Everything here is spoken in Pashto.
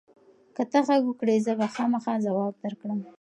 که ته غږ وکړې، زه به خامخا ځواب درکړم.